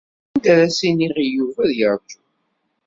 Anda ara as-iniɣ i Yuba ad yeṛju?